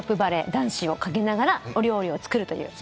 男子をかけながらお料理を作るという。